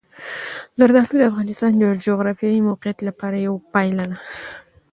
زردالو د افغانستان د جغرافیایي موقیعت پوره یوه پایله ده.